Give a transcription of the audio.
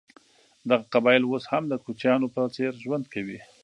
دغه قبایل اوس هم د کوچیانو په څېر ژوند کوي.